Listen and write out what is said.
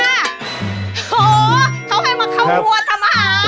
โอ้โหเขาให้มาเข้าวัวทำอาหาร